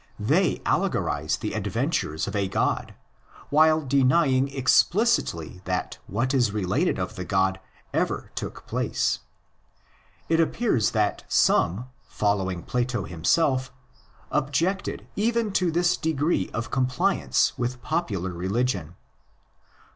They allegorise the adventures of a god while denying explicitly that what is related of the god ever took place. It appears that some, following Plato himself, objected even to this degree of compliance with popular religion.